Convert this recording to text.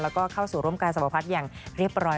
แล้วก็เข้าสู่ร่วมการสวพัฒน์อย่างเรียบร้อย